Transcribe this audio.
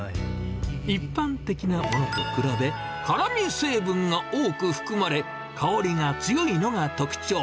一般的なものと比べ、辛み成分が多く含まれ、香りが強いのが特徴。